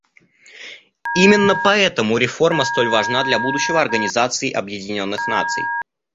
Именно поэтому реформа столь важна для будущего Организации Объединенных Наций.